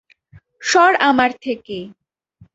সর আমার থেকে!